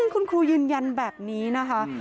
คุณครูยืนยันแบบนี้นะคะ